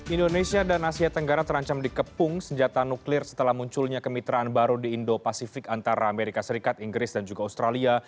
indonesia dan asia tenggara terancam dikepung senjata nuklir setelah munculnya kemitraan baru di indo pasifik antara amerika serikat inggris dan juga australia